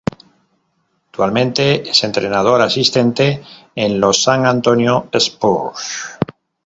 Actualmente es entrenador asistente en los San Antonio Spurs.